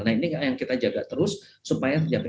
nah ini yang kita jaga terus supaya terjaga